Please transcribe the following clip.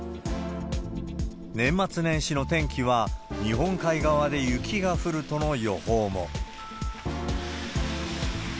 年末年始の天気は、日本海側で雪が降るとの予報も。